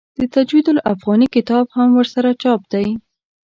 د تجوید الافغاني کتاب هم ورسره چاپ دی.